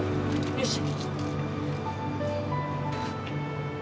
よし。